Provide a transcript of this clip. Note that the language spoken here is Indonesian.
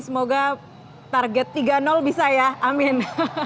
semoga target tiga bisa ya amin